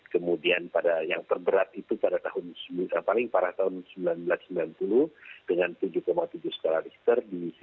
kemudian yang terberat itu pada tahun seribu sembilan ratus sembilan puluh dengan tujuh tujuh skala lister